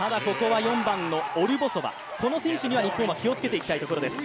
４番のオルボソバ、この選手には日本は気をつけていきたいところです。